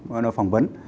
gọi là phỏng vấn